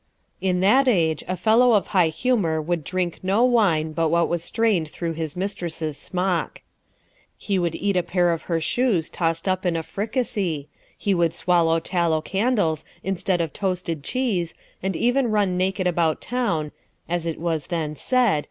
In that age, a fellow of high humour would drink no wine but what was strained through his mis tress's smock. 1 He would eat a pair of her shoes tossed up in a fricasee ; he would swallow tallow candles instead of toasted cheese, and even run naked about town, as it was then said, to divert the ladies.